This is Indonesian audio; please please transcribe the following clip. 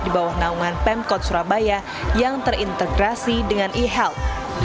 di bawah naungan pemkot surabaya yang terintegrasi dengan ehel